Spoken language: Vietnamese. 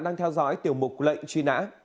đang theo dõi tiểu mục lệnh truy nã